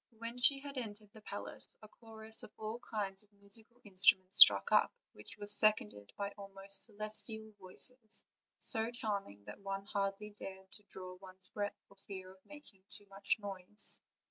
When she had entered the palace a chorus of all kinds of musical in struments struck up, which was seconded by almost celestial voices, so charming that one hardly dared to draw one's breath for fear of making too much noise.